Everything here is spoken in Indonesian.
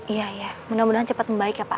iya iya mudah mudahan cepet membaik ya pak